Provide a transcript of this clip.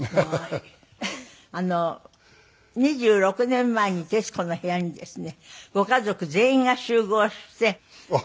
２６年前に『徹子の部屋』にですねご家族全員が集合して。